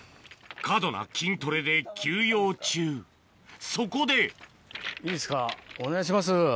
過度な筋トレで休養中そこでいいっすかお願いします